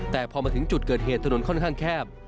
แต่พอมาถึงจุดเกิดเหตุถนนค่อนข้างแคบ